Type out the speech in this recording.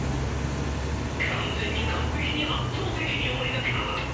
完全に完璧に圧倒的に俺が勝つ！